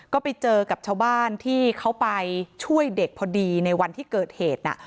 ก็ไปเจอกับชาวบ้านที่เขาไปช่วยเด็กพอดีในวันที่เกิดเหตุน่ะ